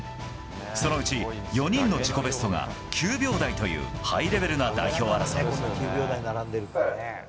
そのうち４人の自己ベストが９秒台というハイレベルな代表争い。